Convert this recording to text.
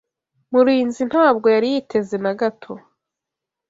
Murinzi ntabwo yari yiteze na gato.